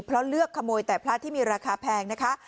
เพราะเลือกขโมยแต่พระที่มีราคาแพงนะคะ